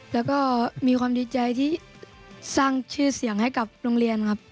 แล้วก็มีความดีใจที่สร้างชื่อเสียงให้กับโรงเรียนครับ